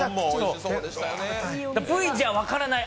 Ｖじゃ分からない